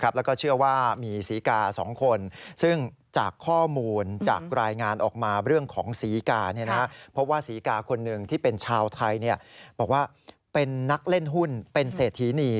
บอกว่าเป็นนักเล่นหุ้นเป็นเศรษฐีนี